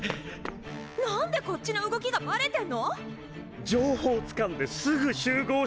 なんでこっちの動きがバレてんの⁉情報つかんですぐ集合してんのに！